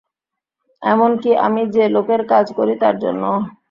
এমনকি আমি যে লোকের কাজ করি তার জন্যও।